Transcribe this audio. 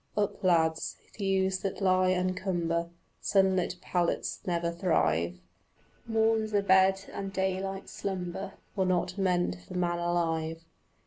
Up, lad: thews that lie and cumber Sunlit pallets never thrive; Morns abed and daylight slumber Were not meant for man alive.